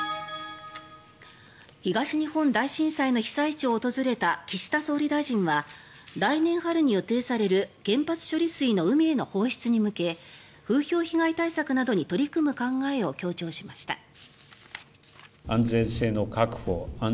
東日本大震災の被災地を訪れた岸田総理大臣は来年春に予定される原発処理水の海への放出に向け風評被害対策などに取り組む考えを強調しました。